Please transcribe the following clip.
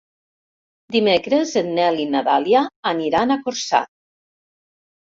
Dimecres en Nel i na Dàlia aniran a Corçà.